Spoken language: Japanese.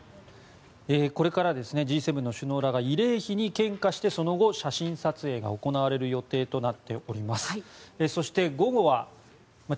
これからＧ７の首脳らが慰霊碑に献花してその後、写真撮影が行われる予定となっております。